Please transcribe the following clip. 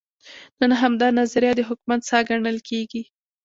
نن همدا نظریه د حکومت ساه ګڼل کېږي.